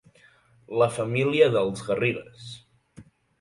La família dels Garrigues.